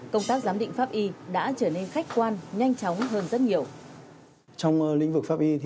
công tác giám định pháp y đã trở nên khách quan nhanh chóng hơn rất nhiều